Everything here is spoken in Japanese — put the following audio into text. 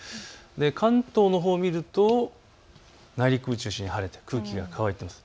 関東のほうを見ると内陸部を中心に晴れていて空気が乾いています。